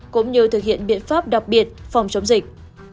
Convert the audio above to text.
cũng như thực hiện biện pháp đặc biệt phòng chống dịch